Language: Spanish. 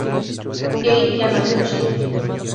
Kei Yamaguchi